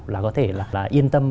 là có thể là yên tâm